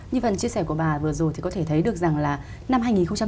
như phần chia sẻ của bà vừa rồi thì có thể thấy được rằng là năm hai nghìn tám